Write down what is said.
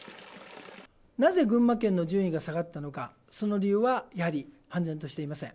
なぜ群馬県の順位が下がったのか、その理由はやはり判然としていません。